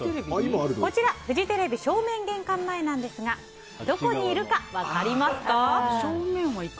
こちらはフジテレビ正面玄関前なんですがどこにいるか分かりますか？